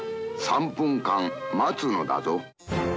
「３分間待つのだぞ」。